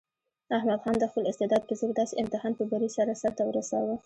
احمد خان د خپل استعداد په زور داسې امتحان په بري سره سرته ورساوه.